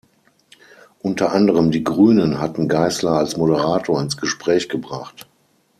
Unter anderem die Grünen hatten Geißler als Moderator ins Gespräch gebracht.